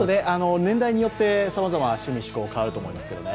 年代によって、さまざま趣味趣向変わると思いますけどね。